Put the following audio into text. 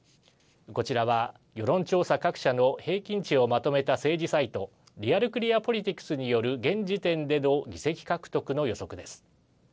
こちらは、世論調査各社の平均値をまとめた政治サイトリアル・クリア・ポリティクスによる現時点での議席獲得の予測です。